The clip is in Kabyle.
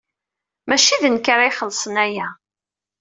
Maci d nekk ara ixellṣen aya.